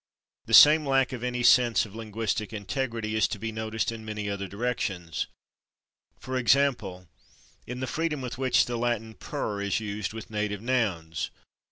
The same lack of any sense of linguistic integrity is to be noticed in many other directions for example, in the freedom with which the Latin /per/ is used with native nouns.